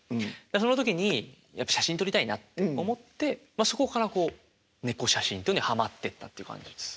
その時にやっぱ写真撮りたいなって思ってそこから猫写真っていうのにはまってったっていう感じです。